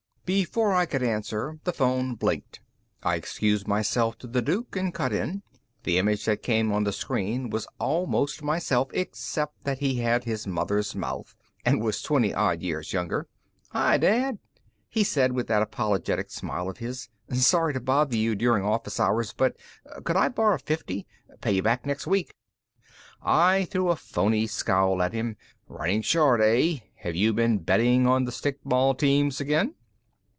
Before I could answer, the phone blinked. I excused myself to the Duke and cut in. The image that came on the screen was almost myself, except that he had his mother's mouth and was twenty odd years younger. "Hi, Dad," he said, with that apologetic smile of his. "Sorry to bother you during office hours, but could I borrow fifty? Pay you back next week." I threw a phony scowl at him. "Running short, eh? Have you been betting on the stickball teams again?"